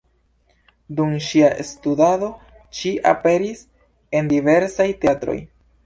Dum ŝia studado ŝi aperis en diversaj teatroj.